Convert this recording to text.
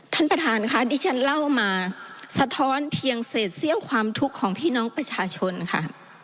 ท่านประธานค่ะที่ฉันเล่ามาสะท้อนเพียงเศษเซี่ยวความทุกข์ของพี่น้องประชาชนค่ะ